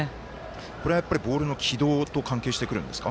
これはボールの軌道と関係してくるんですか？